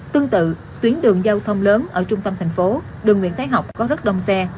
tương tự tuyến đường giao thông lớn ở trung tâm thành phố đường nguyễn thái học có rất đông xe